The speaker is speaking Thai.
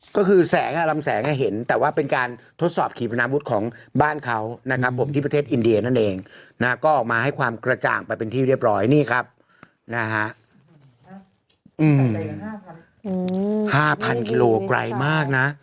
ก็คือแสงลำแสงเห็นแต่ว่าเป็นการทดสอบขี่ปนาวุฒิของบ้านเขานะครับผมที่ประเทศอินเดียนั่นเองนะฮะก็ออกมาให้ความกระจ่างไปเป็นที่เรียบร้อยนี่ครับนะฮะ๕๐๐กิโลไกลมากนะ